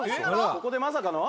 「ここでまさかの？」